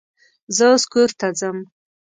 زه اوس کور ته ځم